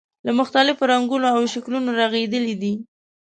له مختلفو رنګونو او شکلونو رغېدلی دی.